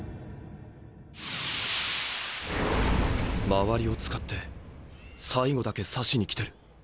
周りを使って最後だけ刺しに来てる。